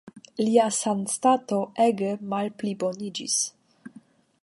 Lia sanstato ege malpliboniĝis.